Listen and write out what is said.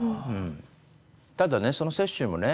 ただねその雪舟もね